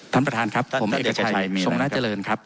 ท่านประธานครับผมเอกชัยทรงราชเจริญครับ